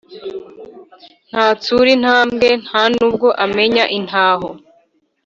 ntatsura intambwe, nta n’ubwo amenya intaho